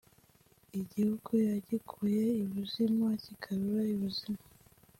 Igihugu yagikuye ibuzimu akigarura ibuzima